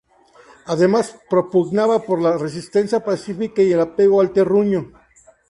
Además propugnaba por la resistencia pacífica y el apego al terruño.